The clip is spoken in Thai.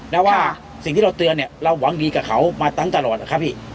แล้วว่าสิ่งที่เราเตือนเนี่ยเราหวังดีกับเขามาตั้งตลอดนะครับพี่